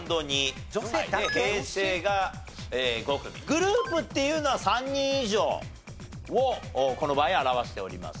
グループっていうのは３人以上をこの場合表しております。